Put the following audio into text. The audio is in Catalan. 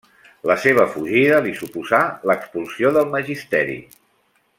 La seva fugida li suposà l’expulsió del magisteri.